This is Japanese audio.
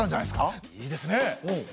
いいですね！